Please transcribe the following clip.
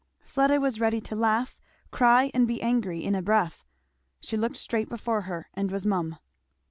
'" Fleda was ready to laugh, cry, and be angry, in a breath. She looked straight before her and was mum.